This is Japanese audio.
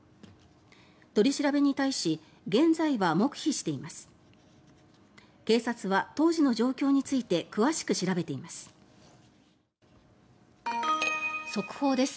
取り調べに対し現在は黙秘しています。